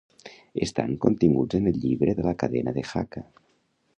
Estan continguts en el Llibre de la Cadena de Jaca.